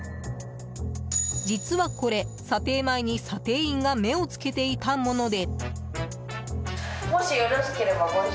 実はこれ、査定前に査定員が目をつけていたもので。